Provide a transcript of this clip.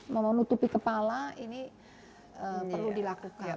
memenuhi kepala ini perlu dilakukan